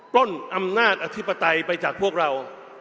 ปล้นอำนาจอธิปไตยไปจากพวกเรา